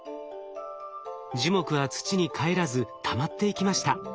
樹木は土にかえらずたまっていきました。